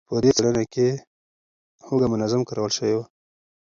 په دې څېړنه کې هوږه منظم کارول شوې وه.